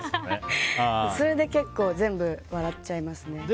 それで結構全部、笑っちゃいますね。